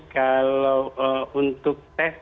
kalau untuk tes